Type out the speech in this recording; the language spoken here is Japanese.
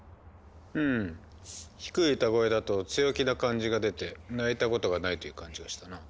ふむ低い歌声だと強気な感じが出て「泣いたことがない」という感じがしたな。